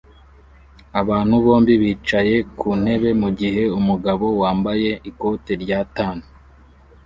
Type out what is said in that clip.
Abantu bombi bicaye ku ntebe mu gihe umugabo wambaye ikote rya tan